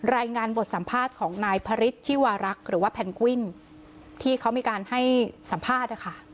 รายงานบทสัมภาษณ์ของนายพระฤทธิวารักษ์หรือว่าแพนกวินที่เขามีการให้สัมภาษณ์นะคะ